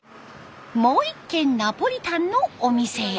もう一軒ナポリタンのお店へ。